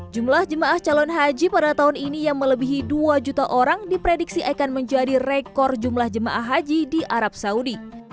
jumlah jemaah calon haji pada tahun ini yang melebihi dua juta orang diprediksi akan menjadi rekor jumlah jemaah haji di arab saudi